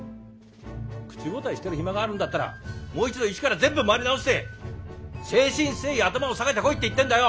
口答えしてる暇があるんだったらもう一度一から全部回り直して誠心誠意頭を下げてこいって言ってんだよ！